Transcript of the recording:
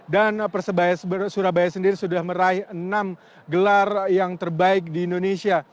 dan persebaya surabaya sendiri sudah meraih enam gelar yang terbaik di indonesia